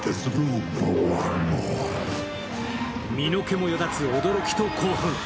身の毛もよだつ驚きと興奮。